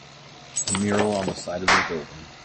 A mural on the side of a building.